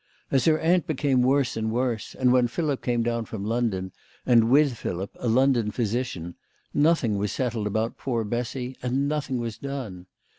As her aunt became worse and worse, and when Philip came down from London, and with Philip a London physician, nothing was settled about poor Bessy, and nothing was done.